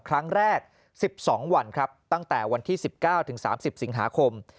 ครั้งแรก๑๒วันครับตั้งแต่วันที่๑๙ถึง๓๐สิงหาคม